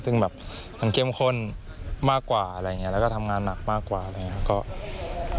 ซึ่งแบบมันเข้มข้นมากกว่าอะไรอย่างนี้แล้วก็ทำงานหนักมากกว่าอะไรอย่างนี้ครับ